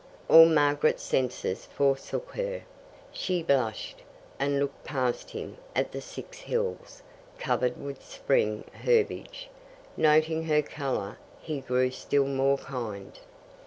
All Margaret's senses forsook her. She blushed, and looked past him at the Six Hills, covered with spring herbage. Noting her colour, he grew still more kind.